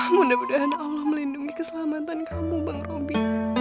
mudah mudahan allah melindungi keselamatan kamu bang rompi